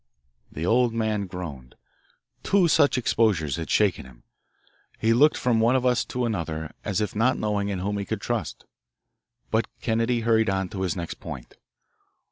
The old man groaned. Two such exposures had shaken him. He looked from one of us to another as if not knowing in whom he could trust. But Kennedy hurried on to his next point.